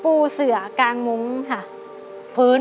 ทั้งในเรื่องของการทำงานเคยทำนานแล้วเกิดปัญหาน้อย